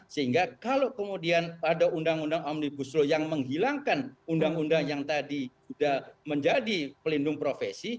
sehingga kalau kemudian ada undang undang omnibus law yang menghilangkan undang undang yang tadi sudah menjadi pelindung profesi